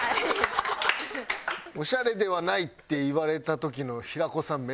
「オシャレではない」って言われた時の平子さん。